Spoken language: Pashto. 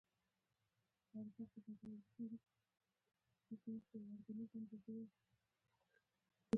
هغه قوانین چې انسان د شي کچې ته راټیټوي.